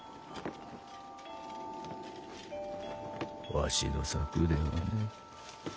わしの策ではねえ。